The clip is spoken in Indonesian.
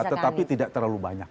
tetapi tidak terlalu banyak